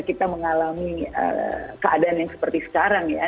kita mengalami keadaan yang seperti sekarang ya